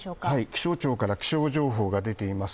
気象庁から気象情報が出ています。